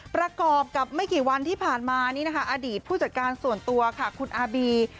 ประกอบกับไม่กี่วันที่ผ่านมานี้นะคะอดีตผู้จัดการส่วนตัวค่ะคุณอาบี